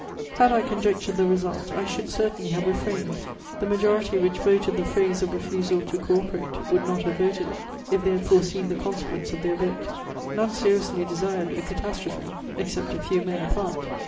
Had I conjectured the result, I should certainly have refrained; the majority which voted the phrase of refusal to co operate would not have voted it, if they had foreseen the consequence of their vote. None seriously desired a catastrophe, except a few men apart.